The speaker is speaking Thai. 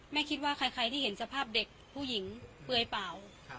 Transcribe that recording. คิดว่าใครที่เห็นสภาพเด็กผู้หญิงเปลือยเปล่า